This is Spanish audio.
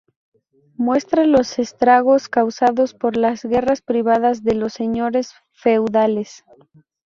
Muestra los estragos causados por las guerras privadas de los señores feudales.